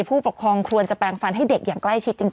ผู้ปกครองควรจะแปลงฟันให้เด็กอย่างใกล้ชิดจริง